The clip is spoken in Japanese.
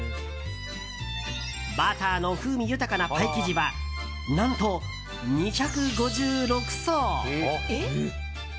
バターの風味豊かなパイ生地は何と２５６層。